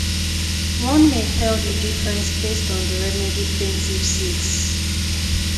One may tell the difference based on the remedy plaintiff seeks.